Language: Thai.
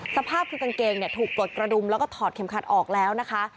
สภาพคือกางเกงถูกปลดกระดุมแล้วก็ถอดเข็มขัดออกแล้วนะคะ